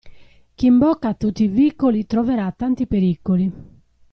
Chi imbocca tutti i vicoli, troverà tanti pericoli.